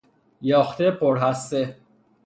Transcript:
یاخته پرهسته